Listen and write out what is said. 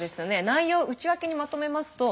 内容を内訳にまとめますと。